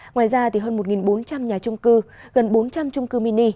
ngoài ra hơn một bốn trăm linh nhà trung cư gần bốn trăm linh trung cư mini